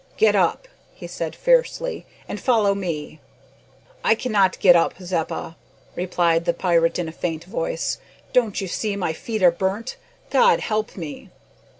"Get up!" he said fiercely, "and follow me." "I cannot get up, Zeppa," replied the pirate in a faint voice. "Don't you see my feet are burnt? God help me!"